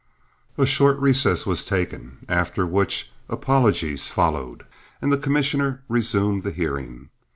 A short recess was taken, after which apologies followed, and the commissioner resumed the hearing.